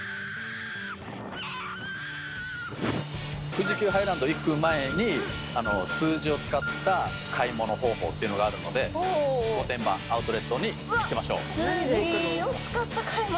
富士急ハイランド行く前に数字を使った買い物方法っていうのがあるので御殿場アウトレットに行きましょう。